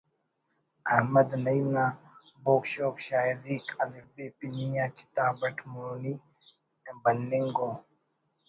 ”احمد نعیم نا بوگ شوگ شاعریک ”الف ب“ پنی آ کتاب اٹ مونی بننگ ءُ